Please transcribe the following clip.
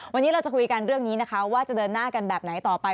วันนี้เราจะคุยกันเรื่องนี้นะคะว่าจะเดินหน้ากันแบบไหนต่อไป